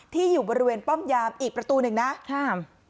อยู่บริเวณป้อมยามอีกประตูหนึ่งนะครับ